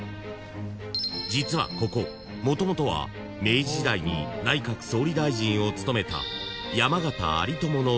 ［実はここもともとは明治時代に内閣総理大臣を務めた山縣有朋の］